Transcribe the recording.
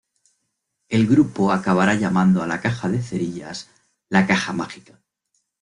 El grupo acabará llamando a la caja de cerillas "La caja mágica".